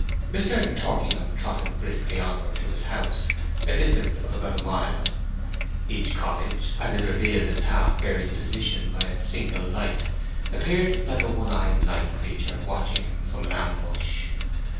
III Mr. Torkingham trotted briskly onward to his house, a distance of about a mile, each cottage, as it revealed its half buried position by its single light, appearing like a one eyed night creature watching him from an ambush.